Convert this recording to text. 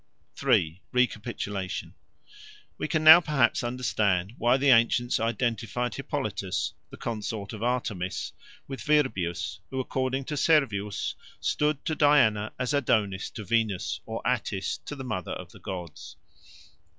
3. Recapitulation WE can now perhaps understand why the ancients identified Hippolytus, the consort of Artemis, with Virbius, who, according to Servius, stood to Diana as Adonis to Venus, or Attis to the Mother of the Gods.